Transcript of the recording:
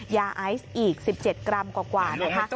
ยาไอซ์อีก๑๗กรัมกว่านะคะ